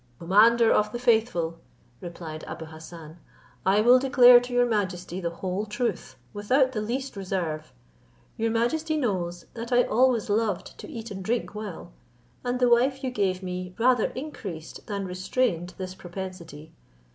"Commander of the faithful," replied Abou Hassan, "I will declare to your majesty the whole truth, without the least reserve. Your majesty knows that I always loved to eat and drink well' and the wife you gave me rather increased than restrained this propensity.